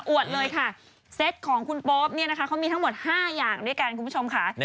วดเลยค่ะเซตของคุณโป๊ปเนี่ยนะคะเขามีทั้งหมด๕อย่างด้วยกันคุณผู้ชมค่ะ